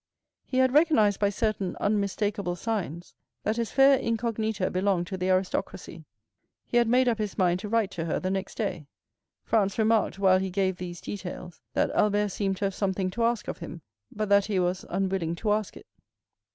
He had recognized by certain unmistakable signs, that his fair incognita belonged to the aristocracy. He had made up his mind to write to her the next day. Franz remarked, while he gave these details, that Albert seemed to have something to ask of him, but that he was unwilling to ask it.